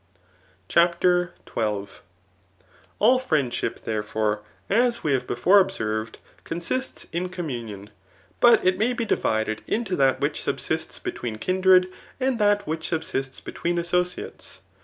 CHAPTER XII. All friendship, therefore, as we have before observed, consists in communion ; but it may be divided into that which subsists between kindred, and that which subsist! between associates.